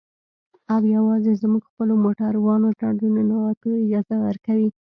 او يوازې زموږ خپلو موټرانو ته د ننوتو اجازه ورکوي.